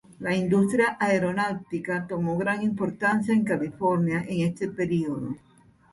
La industria aeronáutica tomó gran importancia en California en este período.